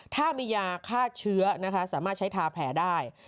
ถ้ามียาฆ่าเชื้อนะคะสามารถใช้ทาแผลได้